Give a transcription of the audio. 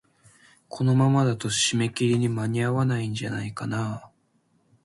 このままだと、締め切りに間に合わないんじゃないかなあ。